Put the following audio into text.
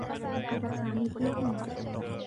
أتى سامي إلى هنا.